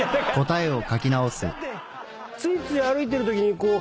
ついつい歩いてるときにあっ！